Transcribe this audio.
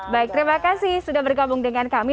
baik terima kasih sudah bergabung dengan kami